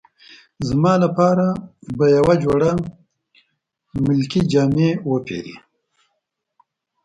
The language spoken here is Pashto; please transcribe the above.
زما لپاره به یوه جوړه ملکي جامې وپیرې.